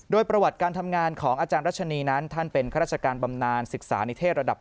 โดยประวัติการทำงานของอาจารย์รัชนีนั้นท่านเป็นข้าราชการบำนานศึกษานิเทศระดับ